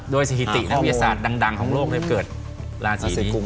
โดยสถิตินักวิทยาศาสตร์ดังของโลกได้เกิดราศีกุม